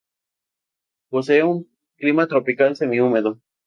Posee un clima tropical semi-húmedo.